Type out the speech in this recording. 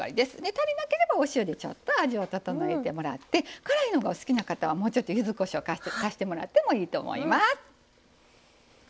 足りなければお塩でちょっと味を調えてもらって辛いのがお好きな方はもうちょっとゆずこしょう足してもらってもいいと思います。